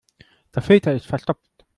Der Filter ist verstopft.